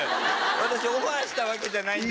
私オファーしたわけじゃないんで。